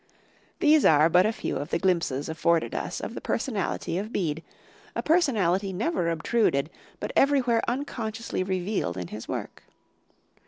These are but a few of the glimpses afforded us of the personality of Bede, a personality never obtruded, but everywhere unconsciously revealed in his work.